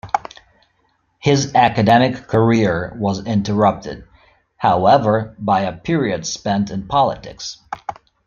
His academic career was interrupted, however, by a period spent in politics.